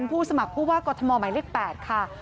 ผู้สมัครผู้ว่ากรทมหมายเลข๘ค่ะ